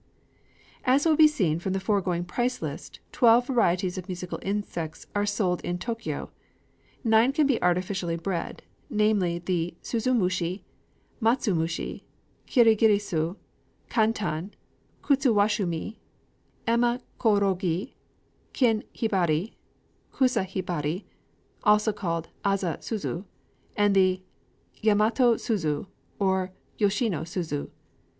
IV As will be seen from the foregoing price list, twelve varieties of musical insects are sold in Tōkyō. Nine can be artificially bred, namely the suzumushi, matsumushi, kirigirisu, kantan, kutsuwamushi, Emma kōrogi, kin hibari, kusa hibari (also called Asa suzu), and the Yamato suzu, or Yoshino suzu.